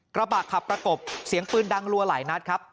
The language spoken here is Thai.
กระบะขับประกบเสียงปืนดังรัวหลายนัดครับ